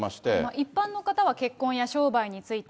一般の方は結婚や商売について。